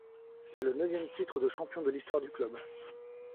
C'est le neuvième titre de champion de l'histoire du club.